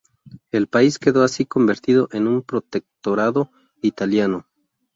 El país quedó así convertido en un protectorado italiano.